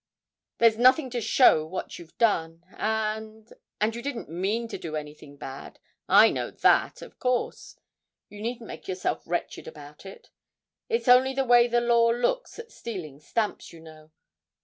'There's nothing to show what you've done. And and you didn't mean to do anything bad, I know that, of course. You needn't make yourself wretched about it. It's only the way the law looks at stealing stamps, you know.